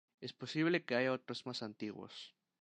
Es posible que haya otros más antiguos.